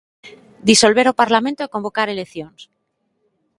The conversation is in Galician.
"Disolver o Parlamento" e "convocar eleccións".